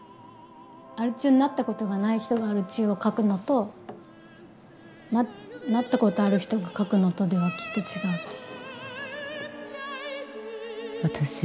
アル中になったことがない人がアル中を描くのとなったことある人が描くのとではきっと違うし。